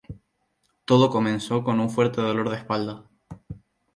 Todo comenzó con un fuerte dolor de espalda.